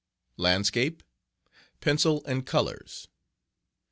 Landscape. Pencil and Colors.